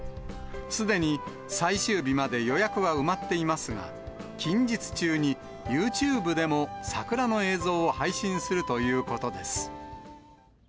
すでに最終日まで予約は埋まっていますが、近日中に、ユーチューブでも、桜の映像を配信するということです。